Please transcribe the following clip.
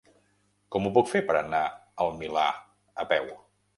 Com ho puc fer per anar al Milà a peu?